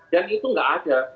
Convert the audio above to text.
dan itu tidak ada